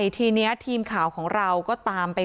ทีนี้ทีมข่าวของเราก็ตามไป